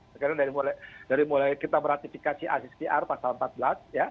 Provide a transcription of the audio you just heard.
sekarang dari mulai kita meratifikasi asispr pasal empat belas